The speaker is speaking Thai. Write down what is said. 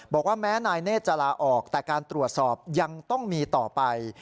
บอกว่าแม้นายเนธจะลาออกแต่การตรวจสอบยังต้องมีต่อไป